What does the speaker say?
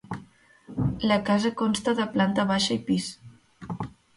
La casa consta de planta baixa i pis.